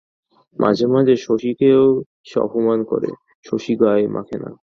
মাঝে মাঝে শশীকেও সে অপমান করে, শশী গায়ে মাখে না।